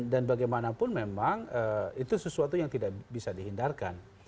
dan bagaimanapun memang itu sesuatu yang tidak bisa dihindarkan